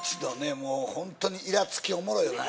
もうホントにイラつきおもろいよなあ